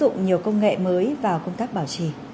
và đã ứng dụng nhiều công nghệ mới vào công tác bảo trì